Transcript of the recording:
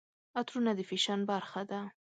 عطرونه د فیشن برخه ده.